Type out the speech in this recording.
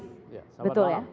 iya selamat malam